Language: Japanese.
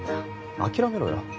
諦めろよ